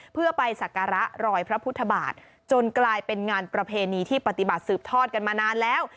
เพื่อไปสักการะรอยพระพุทธบาทจนกลายเป็นงานประเพณีที่ปฏิบัติสืบทอดกันมานานแล้ว